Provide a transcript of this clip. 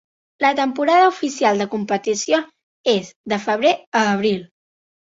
La temporada oficial de competició és de febrer a abril.